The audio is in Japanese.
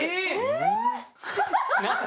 えっ！